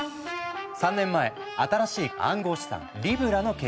３年前新しい暗号資産「リブラ」の計画を発表したんだ。